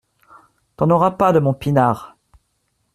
T’en auras pas, de mon pinard